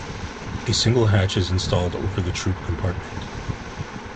A single hatch is installed over the troop compartment.